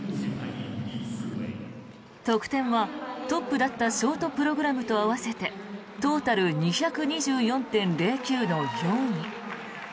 得点は、トップだったショートプログラムと合わせてトータル２２４．０９の４位。